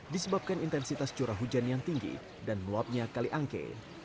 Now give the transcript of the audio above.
disebabkan intensitas curah hujan yang tinggi dan meluapnya kaliangke